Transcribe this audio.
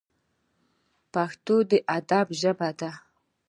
پښتو د ادب ژبه ده